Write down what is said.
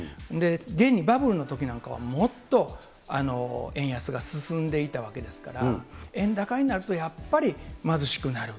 現にバブルのときなんかは、もっと円安が進んでいたわけですから、円高になるとやっぱり貧しくなる。